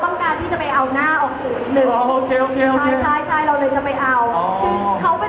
ป๊าป๊าป๊าป๊าป๊าป๊าป๊าป๊า